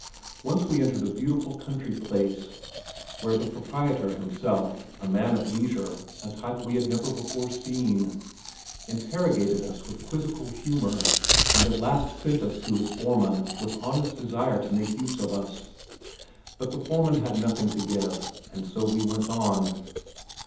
Once we entered a beautiful country place where the proprietor himself (a man of leisure, a type we had never before seen) interrogated us with quizzical humor, and at last sent us to his foreman with honest desire to make use of us. But the foreman had nothing to give, and so we went on.